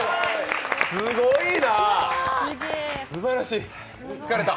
すごいな、すばらしい、疲れた？